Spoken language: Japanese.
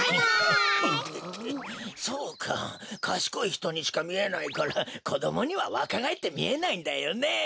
そうかかしこいひとにしかみえないからこどもにはわかがえってみえないんだよね。